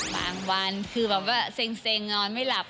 บางวันคือแบบว่าเซ็งนอนไม่หลับ